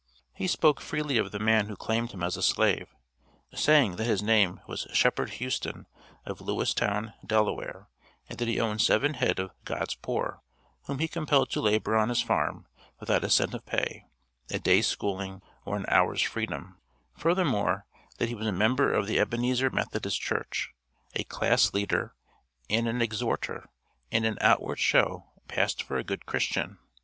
He spoke freely of the man who claimed him as a slave, saying that his name was Shepherd Houston, of Lewistown, Delaware, and that he owned seven head of "God's poor," whom he compelled to labor on his farm without a cent of pay, a day's schooling, or an hour's freedom; furthermore, that he was a member of the Ebenezer Methodist Church, a class leader, and an exhorter, and in outward show passed for a good Christian.